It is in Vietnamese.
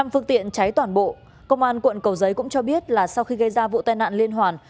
năm phương tiện cháy toàn bộ công an quận cầu giấy cũng cho biết là sau khi gây ra vụ tai nạn liên hoàn